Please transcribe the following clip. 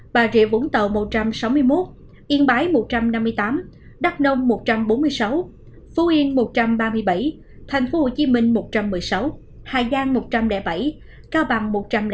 bà rịa vũng tàu một trăm sáu mươi một yên bái một trăm năm mươi tám đắk nông một trăm bốn mươi sáu phú yên một trăm ba mươi bảy thành phố hồ chí minh một trăm một mươi sáu hải giang một trăm linh bảy cao bằng một trăm linh năm